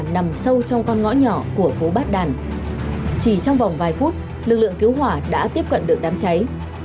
nằm sâu trong con ngõ nhỏ của phố bát đàn chỉ trong vòng vài phút lực lượng cứu hỏa đã tiếp cận được đám cháy